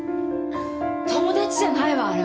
友達じゃないわあれは。